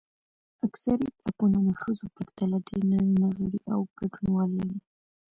اکثریت اپونه د ښځو پرتله ډېر نارینه غړي او ګډونوال لري.